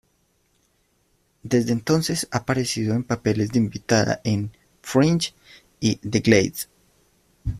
Desde entonces ha aparecido en papeles de invitada en "Fringe" y "The Glades".